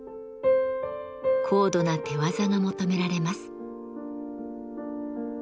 高度な手業が求められます。